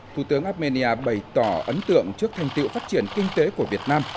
thủ tướng armenia bày tỏ ấn tượng trước thành tiệu phát triển kinh tế của việt nam